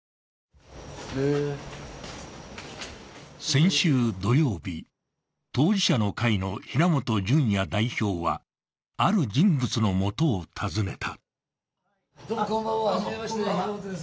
先週土曜日、当事者の会の平本淳也代表は、ある人物のもとを訪ねた。